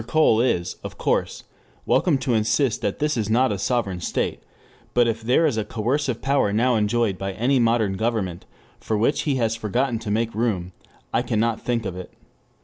Cole is, of course, welcome to insist that this is not a sovereign state, but if there is a coercive power now enjoyed by any modern government for which he has forgotten to make room, I cannot think of it.